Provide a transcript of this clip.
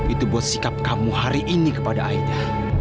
itu buat sikap kamu hari ini kepada aida